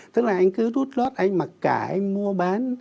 tức là anh cứ rút lót anh mặc cả anh mua bán